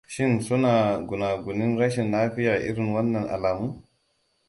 Shin suna gunagunin rashin lafiya irin wannan alamu?